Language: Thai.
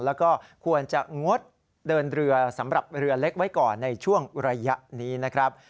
แล้วก็ควรจะงดเดินเรือสำหรับเรือเล็กไว้ก่อนในช่วงระยะนี้นะครับ